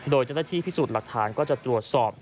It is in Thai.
โดยเจ้าหน้าที่พิสูจน์หลักฐานก็จะตรวจสอบ